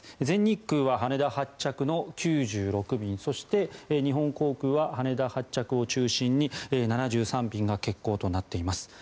全日空は羽田発着の９６便そして日本航空は羽田発着を中心に７３便が欠航となっています。